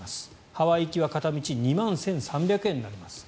ハワイ行きは片道２万１３００円になります。